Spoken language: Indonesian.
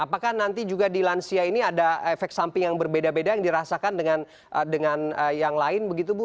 apakah nanti juga di lansia ini ada efek samping yang berbeda beda yang dirasakan dengan yang lain begitu bu